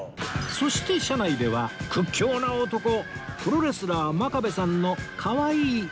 そして車内では屈強な男プロレスラー真壁さんの可愛い一面が